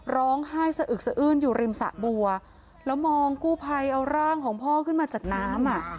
ร้องไห้สะอึกสะอื้นอยู่ริมสะบัวแล้วมองกู้ภัยเอาร่างของพ่อขึ้นมาจากน้ำอ่ะ